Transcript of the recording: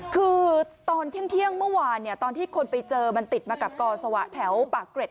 คือตอนเที่ยงเมื่อวานเนี่ยตอนที่คนไปเจอมันติดมากับกอสวะแถวปากเกร็ด